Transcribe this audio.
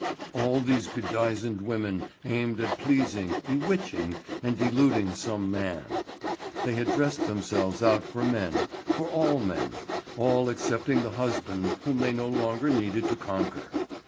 All these bedizened women aimed at pleasing, bewitching, and deluding some man. They had dressed themselves out for men—for all men—all excepting the husband whom they no longer needed to conquer.